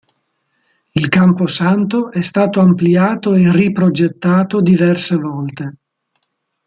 Il camposanto è stato ampliato e riprogettato diverse volte.